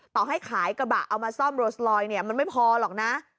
ต่อให้ขายกระบะเอามาซ่อมโรสลอยเนี่ยมันไม่พอหรอกนะ